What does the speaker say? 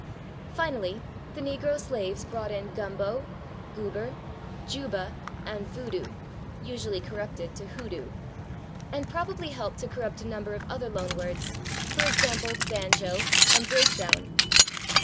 Finally, the negro slaves brought in /gumbo/, /goober/, /juba/ and /voodoo/ (usually corrupted to /hoodoo/), and probably helped to corrupt a number of other loan words, for example /banjo/ and /breakdown